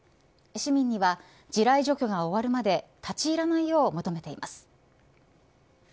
市民には地雷除去が終わるまで立ち入らないよう求めています。